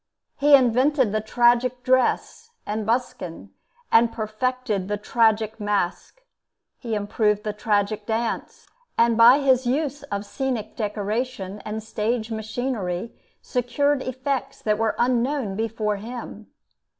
He invented the tragic dress and buskin, and perfected the tragic mask. He improved the tragic dance, and by his use of scenic decoration and stage machinery, secured effects that were unknown before him.